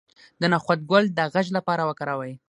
د نخود ګل د غږ لپاره وکاروئ